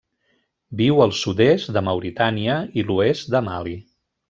Viu al sud-est de Mauritània i l'oest de Mali.